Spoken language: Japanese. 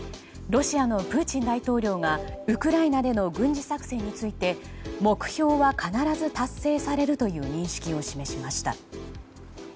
ロシアのプーチン大統領がウクライナでの軍事作戦について目標は必ず達成されるという認識を示しました。